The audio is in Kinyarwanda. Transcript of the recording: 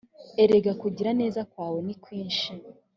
erega kugira neza kwawe ni kwinshi!